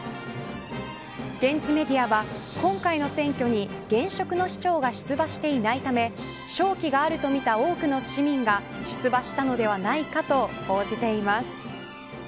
現地メディアは、今回の選挙に現職の市長が出馬していないため勝機があるとみた多くの市民が出馬したのではないかと報じています。